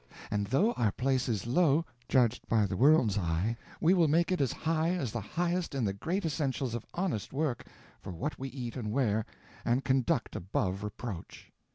And though our place is low, judged by the world's eye, we will make it as high as the highest in the great essentials of honest work for what we eat and wear, and conduct above reproach.